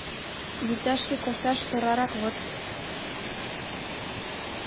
Вӱташке кошташ торарак вот.